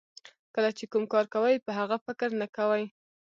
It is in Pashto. کله چې کوم کار کوئ په هغه فکر نه کوئ.